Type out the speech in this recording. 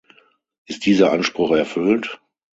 Ist dieser Anspruch erfüllt?